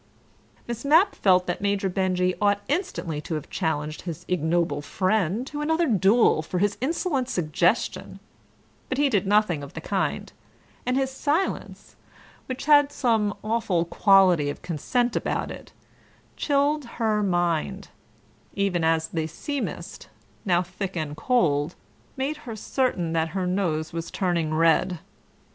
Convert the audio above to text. Miss Mapp felt that Major Benjy ought instantly to have challenged his ignoble friend to another duel for this insolent suggestion, but he did nothing of the kind, and his silence, which had some awful quality of consent about it, chilled her mind, even as the sea mist, now thick and cold, made her certain that her nose was turning red.